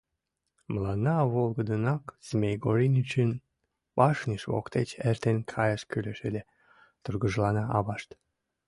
— Мыланна волгыдынак Змей Горынычын башньыж воктеч эртен каяш кӱлеш ыле, – тургыжлана авашт.